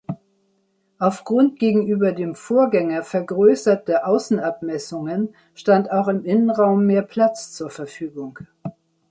Aufgrund gegenüber dem Vorgänger vergrößerter Außenabmessungen stand auch im Innenraum mehr Platz zur Verfügung.